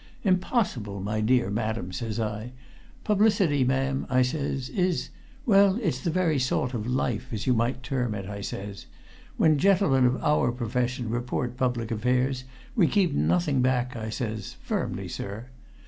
'Impossible, my dear madam!' says I. 'Publicity, ma'am,' I says, 'is well, it's the very salt of life, as you might term it,' I says. 'When gentlemen of our profession report public affairs we keep nothing back,' I says; firmly, sir.